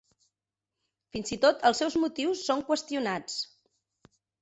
Fins i tot els seus motius són qüestionats.